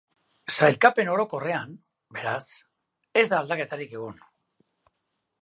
Sailkapen orokorrean, beraz, ez da aldaketarik egon.